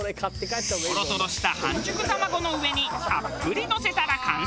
とろとろした半熟卵の上にたっぷりのせたら完成。